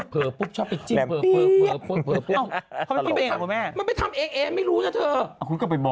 เผลอปุ๊บชอบใจจิกเผลอเปี๊บ